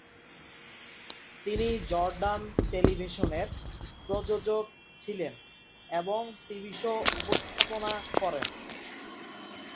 তিনি জর্ডান টেলিভিশনের প্রযোজক ছিলেন এবং টিভি শো উপস্থাপনা করেন।